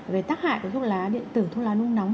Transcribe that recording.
về tác hại của thuốc lá điện tử thuốc lá nung nóng